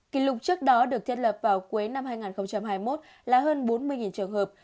kỷ lục trước đó được thiết lập vào cuối năm hai nghìn hai mươi một là hơn bốn mươi trường hợp